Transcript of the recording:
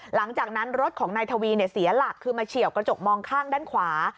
หลังจากนั้นรถของนายทวีเสียหลักคือมาเฉียวกระจกมองข้างด้านขวา